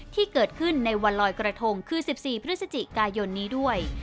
ที่เกิดขึ้นในวันลอยกระทงคือ๑๔พฤศจิกายนนี้ด้วย